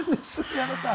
矢野さん。